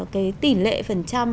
cái tỉ lệ phần trăm